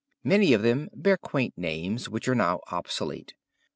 Many of them bear quaint names, which are now obsolete.